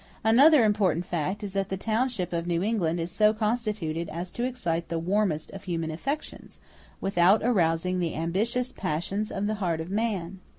Another important fact is that the township of New England is so constituted as to excite the warmest of human affections, without arousing the ambitious passions of the heart of man.